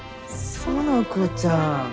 園子ちゃん。